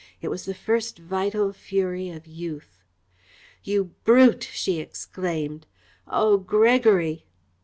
It was the first vital fury of youth. "You brute!" she exclaimed. "Oh, Gregory!"